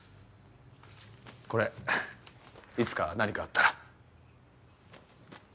これいつか何かあったら。